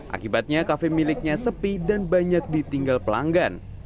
akibatnya kafe miliknya sepi dan banyak ditinggal pelanggan